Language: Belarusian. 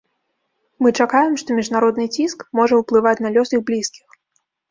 Мы чакаем, што міжнародны ціск можа ўплываць на лёс іх блізкіх.